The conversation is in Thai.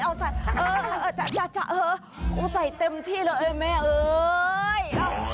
เออเอาใส่เต็มที่เลยไอ้แม่เอ้ย